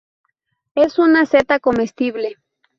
Es una seta comestible.